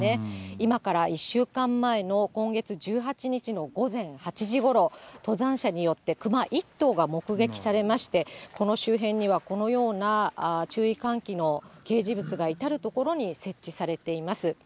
今から１週間前の今月１８日の午前８時ごろ、登山者によってクマ１頭が目撃されまして、この周辺には、このような注意喚起の掲示物が至る所に設置されています。